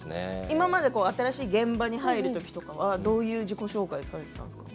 今まで新しい現場に入るときとかどういう自己紹介をされてましたか。